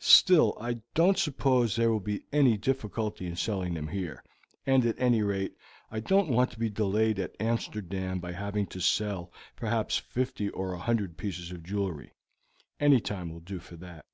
Still, I don't suppose there will be any difficulty in selling them here, and, at any rate, I don't want to be delayed at Amsterdam by having to sell perhaps fifty or a hundred pieces of jewelry; any time will do for that.